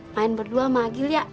main berdua sama agil ya